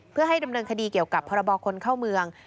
เพื่อให้ดำเนินคดีเกี่ยวกับพรบคนเข้าเมือง